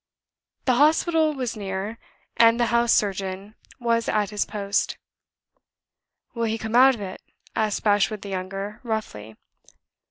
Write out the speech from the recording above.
The hospital was near, and the house surgeon was at his post. "Will he come out of it?" asked Bashwood the younger, roughly.